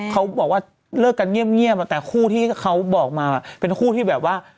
เขาบอกว่าเลิกกันเงียบแต่คู่ที่เขาบอกมาเป็นคู่ที่แบบว่า